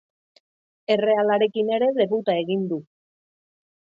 Errealarekin ere debuta egin du.